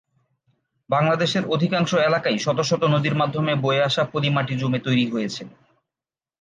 বাংলাদেশের অধিকাংশ এলাকাই শত শত নদীর মাধ্যমে বয়ে আসা পলি মাটি জমে তৈরি হয়েছে।